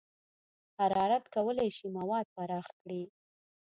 حرارت کولی شي مواد پراخ کړي.